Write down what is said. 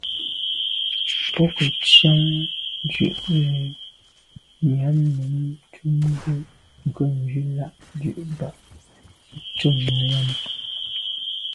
Bo ke ntsian dù’ ze nyam num ntum bwe nkebnjù l’a ndù bag ntum nyam.